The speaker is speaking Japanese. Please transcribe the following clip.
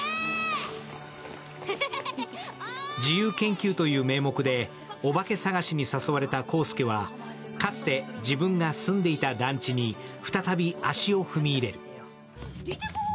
自由研究という名目でおばけ探しに誘われた航祐はかつて自分が住んでいた団地に再び足を踏み入れる。